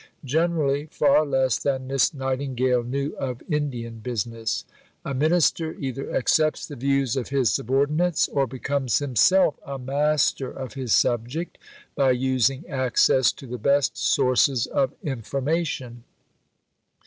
Generally, far less than Miss Nightingale knew of Indian business. A minister either accepts the views of his subordinates, or becomes himself a master of his subject by using access to the best sources of information.